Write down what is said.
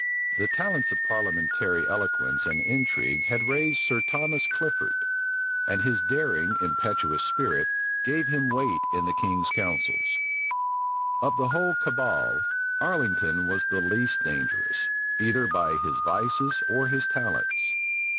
The talents of parliamentary eloquence and intrigue had raised Sir Thomas Clifford; and his daring, impetuous spirit gave him weight in the king's councils. Of the whole cabal, Arlington was the least dangerous, either by his vices or his talents.